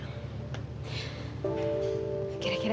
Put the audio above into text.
p wohn karena di rumah